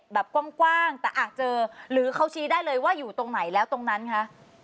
แบบกว้างแต่เจอหรือเขาชี้ได้เลยว่าอยู่ตรงไหนแล้วตรงนั้นคะ